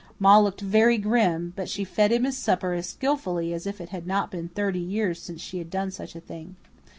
Ma looked very grim, but she fed him his supper as skilfully as if it had not been thirty years since she had done such a thing.